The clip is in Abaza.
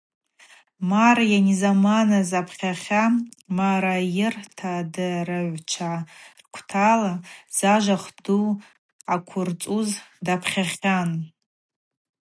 Марр йанизаманыз апхьахьа-марагӏайыртадырыгӏвчва рквтала зажва хвду аквырцӏуз дапхьахьан.